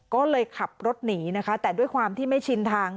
ก็เลยขับรถหนีนะคะแต่ด้วยความที่ไม่ชินทาง